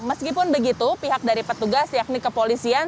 meskipun begitu pihak dari petugas yakni kepolisian